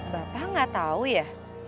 bapak gak tau ya